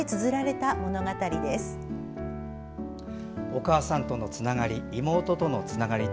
お母さんとのつながり妹とのつながり。